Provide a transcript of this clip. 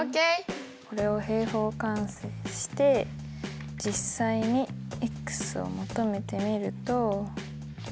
これを平方完成して実際にを求めてみると。